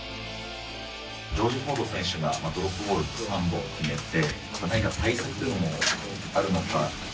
ジョージ・フォード選手がドロップゴール３本決めて、何か対策というものはあるのか。